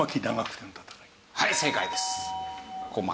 はい正解です。